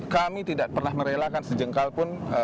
kami tidak pernah merelakan sejengkal pun